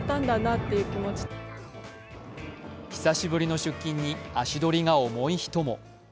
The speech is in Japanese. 久しぶりの出勤に足取りが重い人も。